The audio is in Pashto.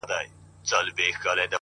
• چي ستا ديدن وي پكي كور به جوړ سـي؛